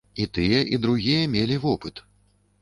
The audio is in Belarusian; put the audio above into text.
І тыя, і другія мелі вопыт.